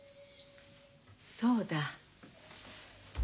そうだ。